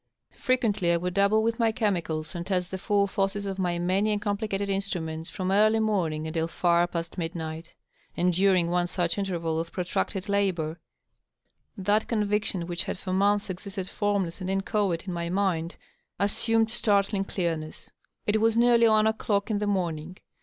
Frequently I would dab ble with my chemicals, and test the full forces of my many and compli cated instruments, from early morning until fer past midnight. And during one such interval of protracted labor that conviction which had for months existed formless and inchoate in my mind assumed startling clearness. It was nearly one o^clock in the morning.